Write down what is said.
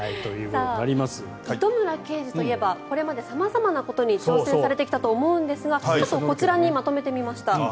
糸村刑事といえばこれまで様々なことに挑戦されてきたと思うんですがこちらにまとめてみました。